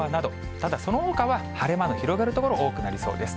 ただ、そのほかは晴れ間の広がる所、多くなりそうです。